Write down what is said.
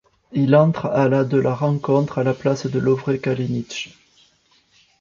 Il entre à la de la rencontre, à la place de Lovre Kalinić.